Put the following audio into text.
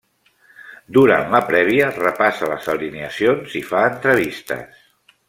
Durant la prèvia repassa les alineacions i fa entrevistes.